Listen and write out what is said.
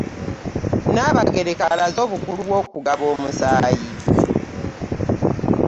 Nnaabagereka alaze obukulu bw'okugaba omusaayi.